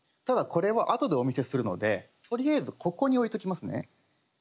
ただこれは後でお見せするのでとりあえずここに置いときますね。